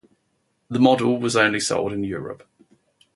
The model was only sold in Europe.